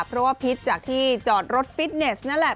เพราะว่าพิษจากที่จอดรถฟิตเนสนั่นแหละ